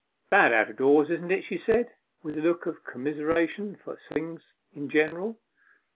'Bad out of doors, isn't it?' she said, with a look of commiseration for things in general.